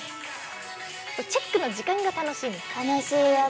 チェックの時間が楽しいんだよ。